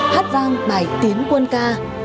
hát vang bài tiến quân ca